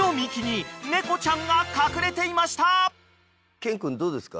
健君どうですか？